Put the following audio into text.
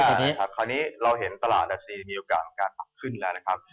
ตอนนี้เราเห็นตลาดอาจารย์มีโอกาสของการปรับขึ้นแล้วนะครับ